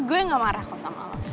gue gak marah kok sama allah